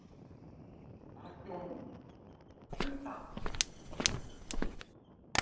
Ácɔn-ɔn, ń tha.